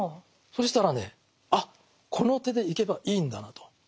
そしたらねあっこの手でいけばいいんだなと。